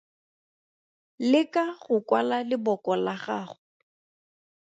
Leka go kwala leboko la gago.